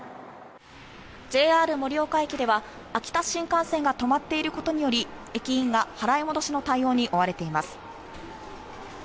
ＪＲ盛岡駅では秋田新幹線が止まっていることにより駅員が払い戻しの対応に追われています。